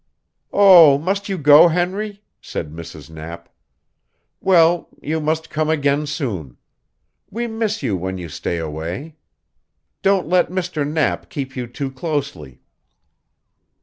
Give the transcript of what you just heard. "Oh, must you go, Henry?" said Mrs. Knapp. "Well, you must come again soon. We miss you when you stay away. Don't let Mr. Knapp keep you too closely."